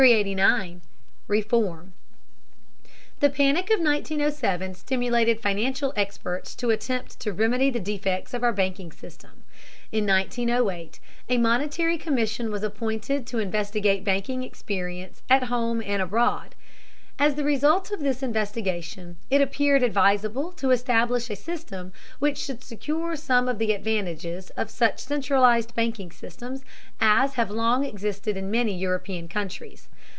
REFORM. The panic of 1907 stimulated financial experts to attempt to remedy the defects of our banking system. In 1908 a monetary commission was appointed to investigate banking experience at home and abroad. As the result of this investigation it appeared advisable to establish a system which should secure some of the advantages of such centralized banking systems as have long existed in many European countries.